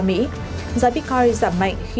giá bitcoin giảm mạnh